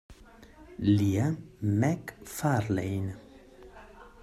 Liam McFarlane